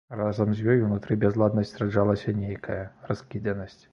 Разам з ёй унутры бязладнасць раджалася нейкая, раскіданасць.